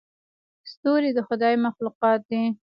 ستوري د خدای مخلوقات دي.